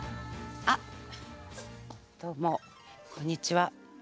あっどうもこんにちは。